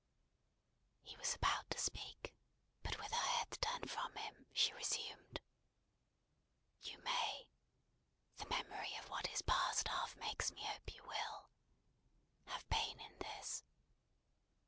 He was about to speak; but with her head turned from him, she resumed. "You may the memory of what is past half makes me hope you will have pain in this.